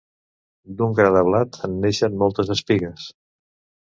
D'un gra de blat en neixen moltes espigues.